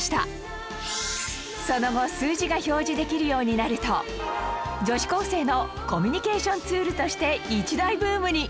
その後数字が表示できるようになると女子高生のコミュニケーションツールとして一大ブームに